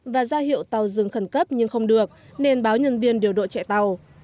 và ra hiệu tàu dừng khẩn cấp nhưng không được nên báo nhân viên điều đội chạy tàu